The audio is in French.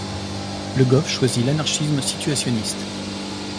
Le Goff choisit l'anarchisme situationniste.